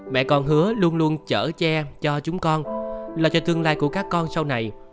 mẹ con hứa luôn luôn chở che cho chúng con lo cho tương lai của các con sau này